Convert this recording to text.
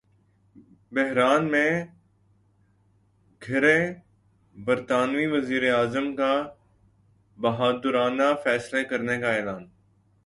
بحران میں گِھرے برطانوی وزیراعظم کا ’بہادرانہ فیصلے‘ کرنے کا اعلان